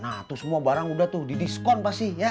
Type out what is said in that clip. nah terus semua barang udah tuh didiskon pasti ya